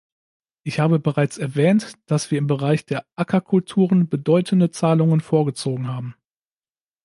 Ich habe bereits erwähnt, dass wir im Bereich der Ackerkulturen bedeutende Zahlungen vorgezogen haben.